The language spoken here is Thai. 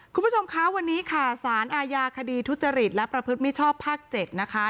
คุณผู้ชมคะวันนี้ค่ะสารอาญาคดีทุจริตและประพฤติมิชชอบภาค๗นะคะ